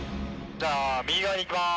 じゃあ右側にいきます。